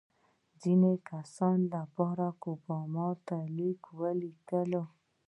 ځینو کسانو بارک اوباما ته لیک ولیکه.